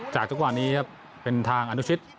จากทุกวันนี้ครับเป็นทางอนุชิต